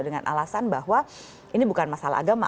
dengan alasan bahwa ini bukan masalah agama